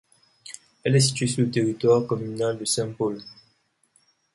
Elle est située sur le territoire communal de Saint-Paul.